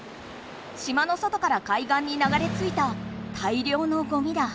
島の外から海岸に流れついたたいりょうのゴミだ。